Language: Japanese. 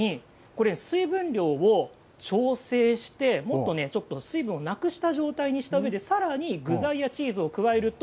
さらに、水分量を調節して水分をなくした状態にしたものにさらに具材やチーズを加えると